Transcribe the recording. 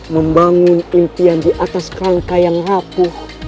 membangun kelimpian di atas rangka yang rapuh